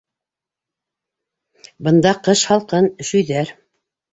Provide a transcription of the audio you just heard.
— Бында ҡыш һалҡын, өшөйҙәр.